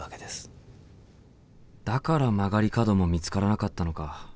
だから曲がり角も見つからなかったのか。